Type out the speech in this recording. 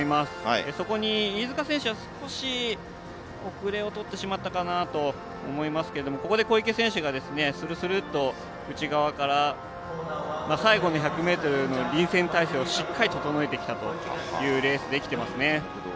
飯塚選手は少し遅れをとってしまったかなと思いますけど小池選手が、するするっと途中内側から最後１００ｍの臨戦態勢をしっかり整えてきたというレースで、きていました。